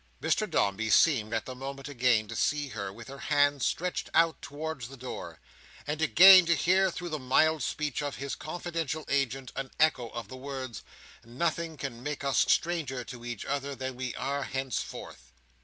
Mr Dombey seemed, at the moment, again to see her with her hand stretched out towards the door, and again to hear through the mild speech of his confidential agent an echo of the words, "Nothing can make us stranger to each other than we are henceforth!"